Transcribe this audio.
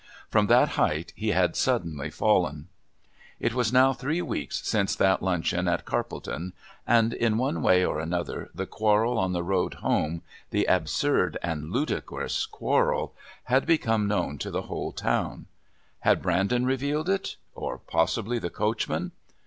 From that height he had suddenly fallen. It was now three weeks since that luncheon at Carpledon, and in one way or another the quarrel on the road home the absurd and ludicrous quarrel had become known to the whole town. Had Brandon revealed it? Or possibly the coachman?